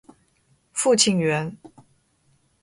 父亲袁。